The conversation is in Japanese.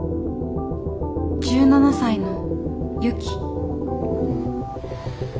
１７才のユキ。